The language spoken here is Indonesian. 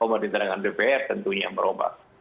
pemerintah dengan dpr tentunya merubah